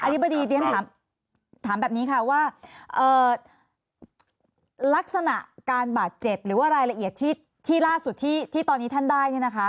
อธิบายฤ่ยอนถามแบบนี้ลักษณะการบาดเจ็บหรือรายละเอียดที่ล่าสุดที่ตอนนี้ท่านได้